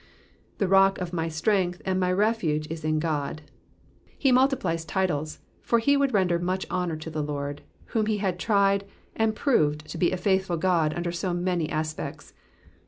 '^^The roek of my strength, and my refuse, is in Ood.'*^ He multiplies titles, for he would render much honour to the Lord, whom he had tried, and proved to be a faithful God under so many aspects.